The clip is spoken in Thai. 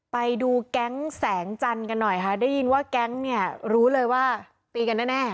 ไปดูแก๊งแสงจันทร์กันหน่อยค่ะได้ยินว่าแก๊งเนี่ยรู้เลยว่าตีกันแน่